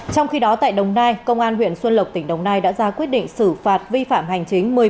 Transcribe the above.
trong khi đó tại đồng nai công an huyện xuân lộc tỉnh đồng nai đã ra quyết định xử phạt vi phạm hành chính